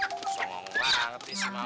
sungguh sungguh parah ngetik semaui